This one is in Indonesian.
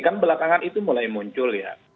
kan belakangan itu mulai muncul ya